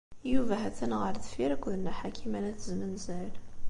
Yuba ha-t-an ɣer deffir akked Nna Ḥakima n At Zmenzer.